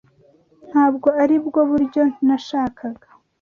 Ntabwo aribwo buryo nashakaga.